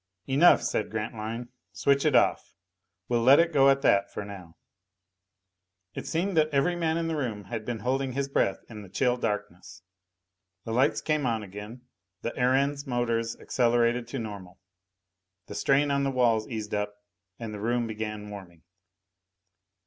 "Enough," said Grantline. "Switch it off. We'll let it go at that for now." It seemed that every man in the room had been holding his breath in the chill darkness. The lights came on again; the Erentz motors accelerated to normal. The strain on the walls eased up, and the room began warming.